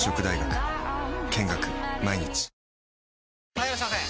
はいいらっしゃいませ！